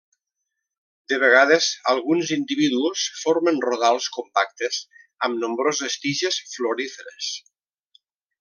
De vegades, alguns individus formen rodals compactes amb nombroses tiges floríferes.